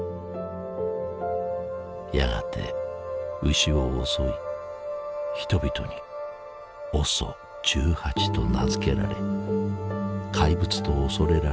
やがて牛を襲い人々に「ＯＳＯ１８」と名付けられ怪物と恐れられるようになった。